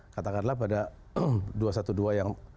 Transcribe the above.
katakanlah pada dua ratus dua belas yang